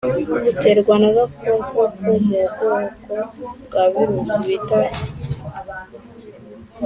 buterwa n’agakoko ko mu bwoko bwa virusi bita hiv